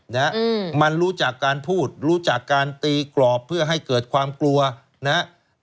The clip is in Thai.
นะฮะมันรู้จักการพูดรู้จักการตีกรอบเพื่อให้เกิดความกลัวนะครับ